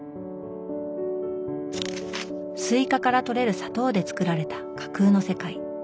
スイカからとれる砂糖でつくられた架空の世界。